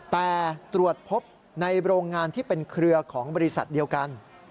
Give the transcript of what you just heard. แต่ตรวจพบในโรงงานที่เป็นเครือของบริษัทเดียวกัน